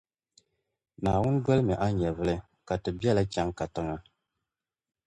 Naawuni dolimi a nyɛvuli ka ti beli a n-chaŋ katiŋa.